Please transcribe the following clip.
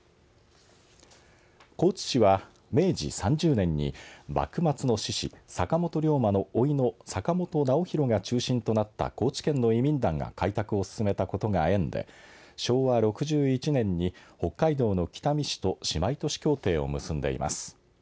高知市は、明治３０年に幕末の志士坂本龍馬のおいの坂本直寛が中心となった高知県の移民団が開拓を進めたことが縁で昭和６１年に北海道の北見市と姉妹都市協定を結んでいます。